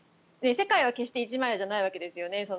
世界は決して一枚岩じゃないわけですよね。